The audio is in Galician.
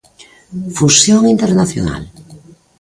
Fusión internacional.